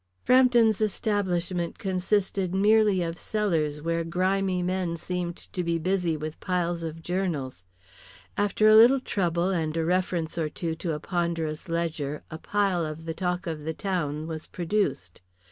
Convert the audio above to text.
Frampton's establishment consisted merely of cellars where grimy men seemed to be busy with piles of journals. After a little trouble and a reference or two to a ponderous ledger a pile of the Talk of the Town was produced.